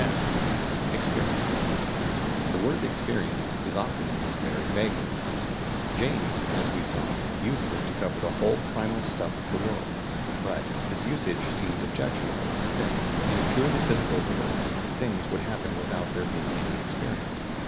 (f) EXPERIENCE. The word "experience" is often used very vaguely. James, as we saw, uses it to cover the whole primal stuff of the world, but this usage seems objection able, since, in a purely physical world, things would happen without there being any experience.